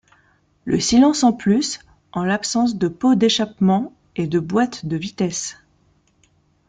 Le silence en plus, en l’absence de pot d’échappement et de boîte de vitesses.